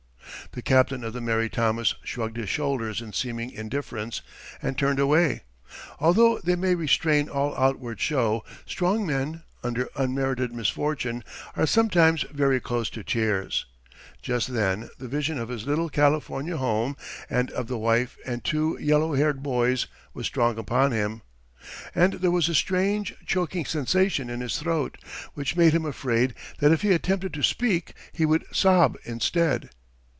The captain of the Mary Thomas shrugged his shoulders in seeming indifference, and turned away. Although they may restrain all outward show, strong men, under unmerited misfortune, are sometimes very close to tears. Just then the vision of his little California home, and of the wife and two yellow haired boys, was strong upon him, and there was a strange, choking sensation in his throat, which made him afraid that if he attempted to speak he would sob instead.